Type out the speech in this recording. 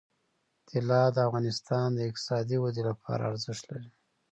طلا د افغانستان د اقتصادي ودې لپاره ارزښت لري.